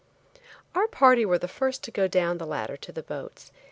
Our party were about the first to go down the ladder to the boats.